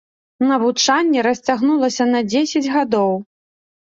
Навучанне расцягнулася на дзесяць гадоў.